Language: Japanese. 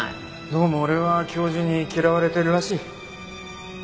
どうも俺は教授に嫌われてるらしい。